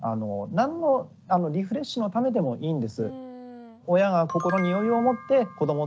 何のリフレッシュのためでもいいんです。